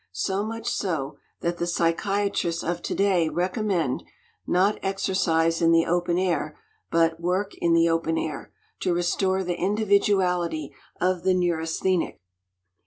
So much so, that the psychiatrists of to day recommend, not "exercise in the open air," but "work in the open air," to restore the individuality of the neurasthenic.